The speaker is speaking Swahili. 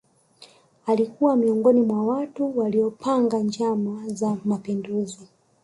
Alikuwa miongoni mwa watu waliopanga njama za mapinduzi